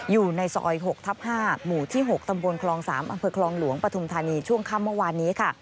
อยู่ในซอย๖ทับ๕หมู่ที่๖ตำบลคลอง๓อำเภอคลองหลวงปฐุมธานีช่วงค่ำเมื่อวานนี้ค่ะ